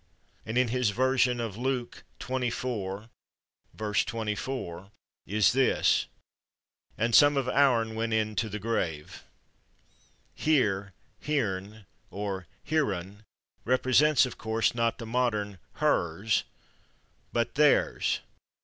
And in his version of Luke xxiv, 24, is this: "And some of /ouren/ wentin to the grave." Here /heren/, (or /herun/) represents, of course, not the modern /hers/, but /theirs